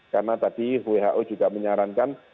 karena tadi who juga menyarankan